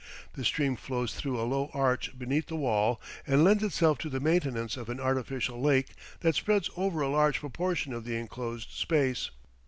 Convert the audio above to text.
The stream flows through a low arch beneath the wall and lends itself to the maintenance of an artificial lake that spreads over a large proportion of the enclosed space.